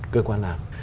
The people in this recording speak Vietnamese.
cơ quan làm